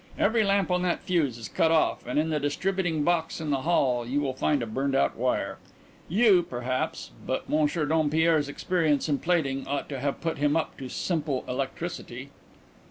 Every lamp on that fuse is cut off and in the distributing box in the hall you will find a burned out wire. You, perhaps but Monsieur Dompierre's experience in plating ought to have put him up to simple electricity."